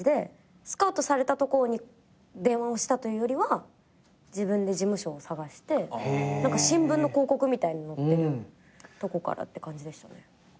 スカウトされたところに電話をしたというよりは自分で事務所を探して新聞の広告みたいなの載ってるとこからって感じでした。